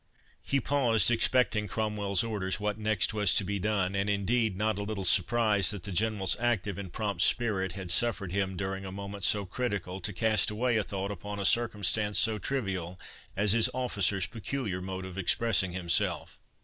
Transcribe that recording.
He paused, expecting Cromwell's orders what next was to be done, and, indeed, not a little surprised that the General's active and prompt spirit had suffered him during a moment so critical to cast away a thought upon a circumstance so trivial as his officer's peculiar mode of expressing himself.